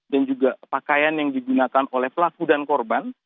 dan juga pakaian yang digunakan oleh pelaku dan korban